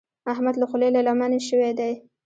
احمد له خولې له لمنې شوی دی.